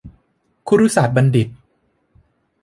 คุรุศาสตรบัณฑิต